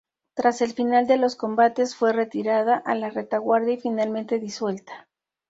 Tras el final de los combates fue retirada a la retaguardia y finalmente disuelta.